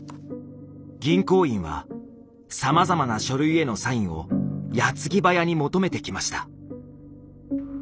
銀行員はさまざまな書類へのサインを矢継ぎ早に求めてきました。